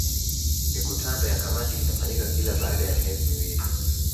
Mikutano ya kamati inafanyika kila baada ya miezi miwili